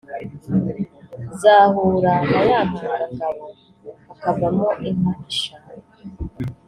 zahura na ya ntanga ngabo hakavuka inka eshanu